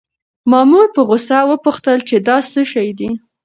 مامور په غوسه وپوښتل چې دا څه شی دی؟